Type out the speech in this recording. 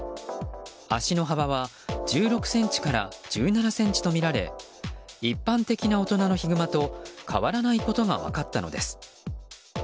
足の幅は１６ｃｍから１７ｃｍとみられ一般的な大人のヒグマと変わらないことが分かったのです。